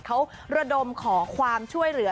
เขาระดมขอความช่วยเหลือ